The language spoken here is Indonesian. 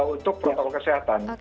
untuk protokol kesehatan